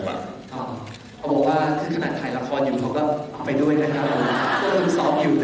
เอาะแอช์คือชังค่ายกายเฟเจศด่วน